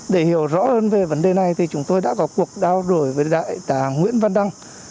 để hiểu rõ hơn về vấn đề này chúng tôi đã có cuộc đao đổi với đại tà nguyễn văn đăng